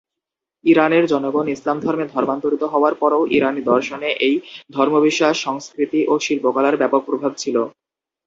ইরানের জনগণ ইসলাম ধর্মে ধর্মান্তরিত হওয়ার পরও ইরানি দর্শনে এই ধর্মবিশ্বাস, সংস্কৃতি ও শিল্পকলার ব্যাপক প্রভাব ছিল।